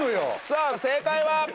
さあ正解は。